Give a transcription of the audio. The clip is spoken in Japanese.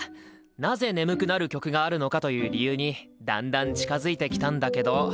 なぜ眠くなる曲があるのかという理由にだんだん近づいてきたんだけど。